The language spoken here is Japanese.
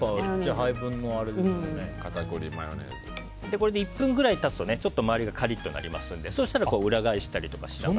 これで１分ぐらい経つと周りがカリッとしますのでそうしたら裏返したりとかしながら。